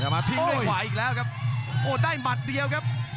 มาทิ้งด้วยขวาอีกแล้วครับโอ้ได้หมัดเดียวครับ